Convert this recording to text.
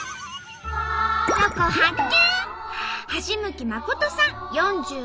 ロコ発見！